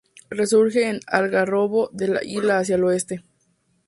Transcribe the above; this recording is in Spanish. Resurge en Algarrobo del Águila hacia el oeste.